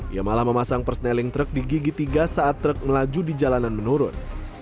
ia malah memasang persneling truk di gigi tiga saat truk melaju di jalanan menurun